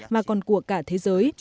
mà còn của cả thế giới